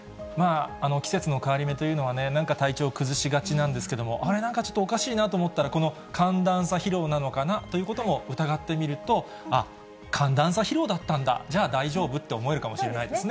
季節の変わり目というのは、なんか体調を崩しがちなんですけれども、あれ、なんかちょっとおかしいなと思ったら、この寒暖差疲労なのかなということも疑ってみるとあっ、寒暖差疲労だったんだ、じゃあ大丈夫って思えるかもそうですね。